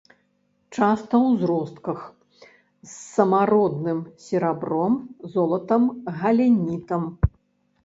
Часта ў зростках з самародным серабром, золатам, галенітам.